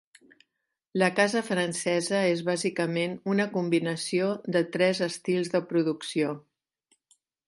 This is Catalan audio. La casa francesa és bàsicament una combinació de tres estils de producció.